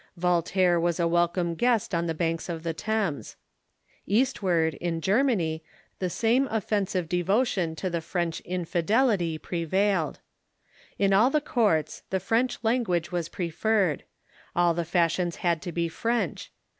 Voltaire was a welcome guest on the banks of the Thames. Eastward, in Germany, the same offensive devo tion to the French infidelity prevailed. In all the courts the French language was preferred. All the fashions had to be French.